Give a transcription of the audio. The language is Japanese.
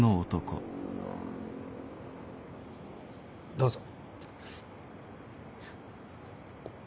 どうぞ。